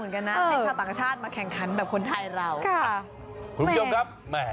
ก็ส่งแล้วกันให้กับคนไทยเรา